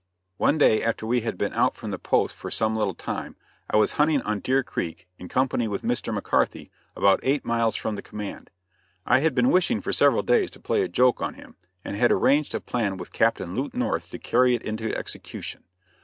One day, after we had been out from the post for some little time, I was hunting on Deer Creek, in company with Mr. McCarthy, about eight miles from the command. I had been wishing for several days to play a joke on him, and had arranged a plan with Captain Lute North to carry it into execution.